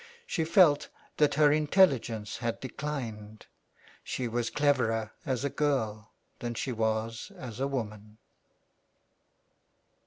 She felt that her intelligence had declined. She was cleverer as a girl than she was as a woman.